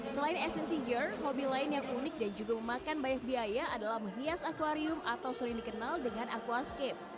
selain asin figure hobi lain yang unik dan juga memakan banyak biaya adalah menghias akwarium atau sering dikenal dengan aquascape